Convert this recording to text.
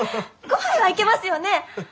５杯はいけますよね？